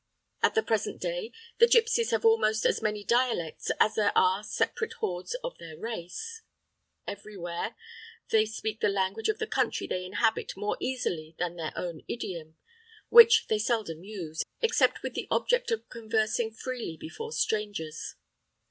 At the present day the gipsies have almost as many dialects as there are separate hordes of their race. Everywhere, they speak the language of the country they inhabit more easily than their own idiom, which they seldom use, except with the object of conversing freely before strangers.